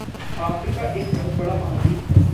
आफ़्रिका एक बहुत बड़ा महाद्वीप है।